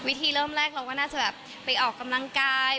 เริ่มแรกเราก็น่าจะแบบไปออกกำลังกาย